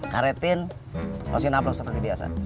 karetin masukin aplikasi seperti biasa